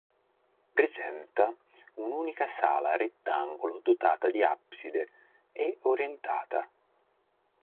Presenta un'unica sala rettangolo dotata di abside e orientata.